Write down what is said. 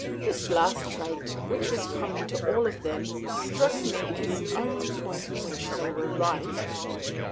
This last trait, which was common to all of them, struck me as the only point in which they were right.